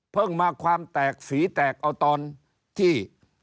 มาความแตกฝีแตกเอาตอนที่